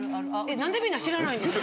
何でみんな知らないんですか？